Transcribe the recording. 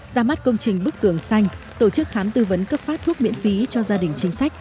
ra mắt công trình bức tường xanh tổ chức khám tư vấn cấp phát thuốc miễn phí cho gia đình chính sách